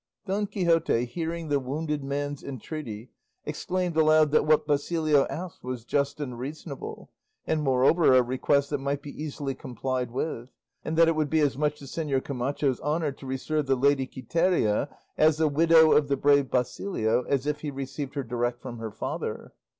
Don Quixote hearing the wounded man's entreaty, exclaimed aloud that what Basilio asked was just and reasonable, and moreover a request that might be easily complied with; and that it would be as much to Señor Camacho's honour to receive the lady Quiteria as the widow of the brave Basilio as if he received her direct from her father.